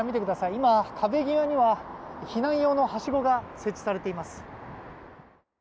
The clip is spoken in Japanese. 今、壁際には避難用のはしごが設置されています。